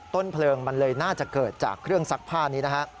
ต้นเพลิงมันเลยน่าจะเกิดจากเครื่องซักผ้านี้นะฮะ